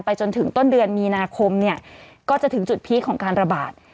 จนถึงต้นเดือนมีนาคมเนี่ยก็จะถึงจุดพีคของการระบาด